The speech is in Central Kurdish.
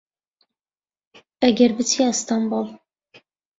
ئەگەر پچیە ئەستەمبول